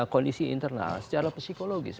kondisi internal secara psikologis